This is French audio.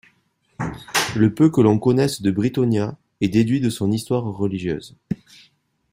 Le peu que l'on connaisse de Britonia est déduit de son histoire religieuse.